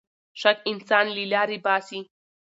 شک انسان له لارې باسـي.